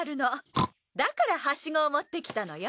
ブーだからハシゴを持ってきたのよ。